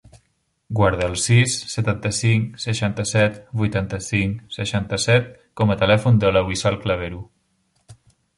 Guarda el sis, setanta-cinc, seixanta-set, vuitanta-cinc, seixanta-set com a telèfon de la Wissal Clavero.